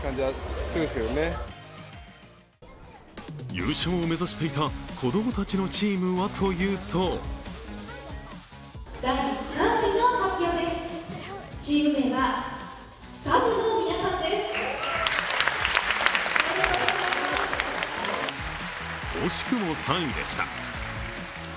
優勝を目指していた子供たちのチームはというと惜しくも３位でした。